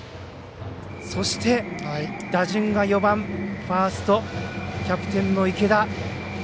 そして、打順が４番ファースト、キャプテンの池田。